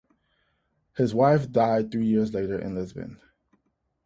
His wife died three years later in Lisbon.